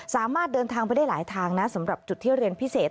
สามารถเดินทางไปได้หลายทางนะสำหรับจุดที่เรียนพิเศษ